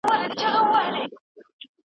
د پښتنو مينې نيمګړې خوند کوينه